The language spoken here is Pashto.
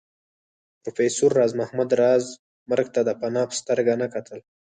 پروفېسر راز محمد راز مرګ ته د فناء په سترګه نه کتل